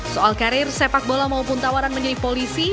soal karir sepak bola maupun tawaran menjadi polisi